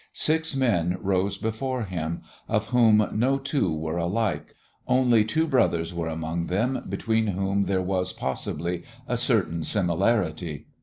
Six men rose before him, of whom no two were alike, only two brothers were among them between whom there was, possibly, a certain similarity.